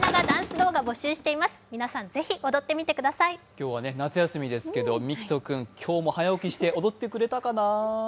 今日はね、夏休みですけど、みきと君、今日も早起きして踊ってくれたかな？